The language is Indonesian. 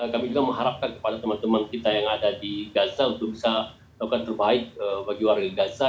kami juga mengharapkan kepada teman teman kita yang ada di gaza untuk bisa melakukan terbaik bagi warga gaza